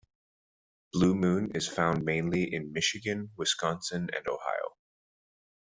Blue Moon is found mainly in Michigan, Wisconsin, and Ohio.